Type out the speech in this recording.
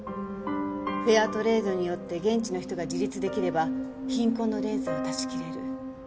フェアトレードによって現地の人が自立できれば貧困の連鎖は断ち切れる。